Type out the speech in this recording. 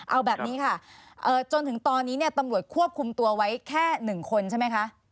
เอาแบบนี้ค่ะจนถึงตอนนี้เนี่ยตำรวจควบคุมตัวไว้แค่๑คนใช่ไหมคะ